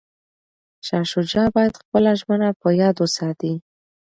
شاه شجاع باید خپله ژمنه په یاد وساتي.